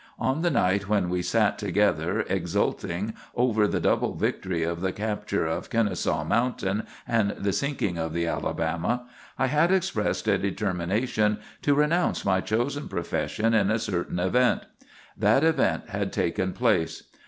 On the night when we sat together exulting over the double victory of the capture of Kenesaw Mountain and the sinking of the 'Alabama,' I had expressed a determination to renounce my chosen profession in a certain event. That event had taken place.